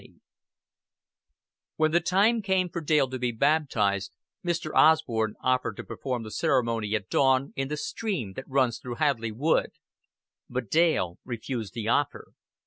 XX When the time came for Dale to be baptized Mr. Osborn offered to perform the ceremony at dawn in the stream that runs through Hadleigh Wood; but Dale refused the offer.